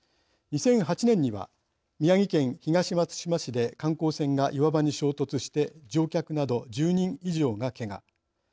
２００８年には宮城県東松島市で観光船が岩場に衝突して乗客など１０人以上がけが。